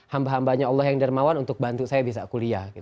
hamba hambanya allah yang dermawan untuk bantu saya bisa kuliah